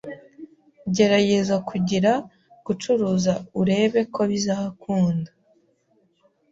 Gerageza kugira gucuruza urebe ko bizakunda